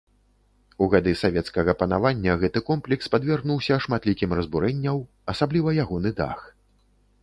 У гады савецкага панавання гэты комплекс падвергнуўся шматлікім разбурэнняў, асабліва ягоны дах.